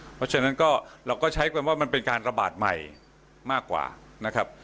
เพราะฉะนั้นก็เราก็ใช้กันว่ามันเป็นการระบาดใหม่มากกว่านะครับ